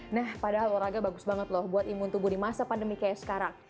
nah padahal olahraga bagus banget loh buat imun tubuh di masa pandemi kayak sekarang